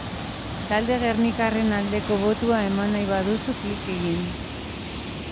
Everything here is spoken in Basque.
Talde gernikarraren aldeko botua eman nahi baduzu, egin klik!